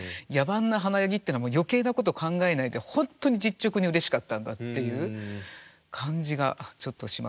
野蛮な華やぎっていうのは余計なこと考えないで本当に実直にうれしかったんだっていう感じがちょっとしますね